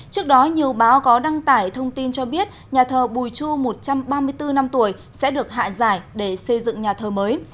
trước đó nhiều báo có đăng tải thông tin cho biết nhà thờ bùi chu một trăm ba mươi bốn năm tuổi sẽ được hạ giải để xây dựng nhà thờ mới